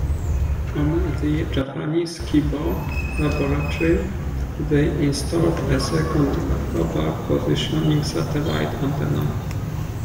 On the Japanese "Kibo" laboratory they installed a second Global Positioning Satellite antenna.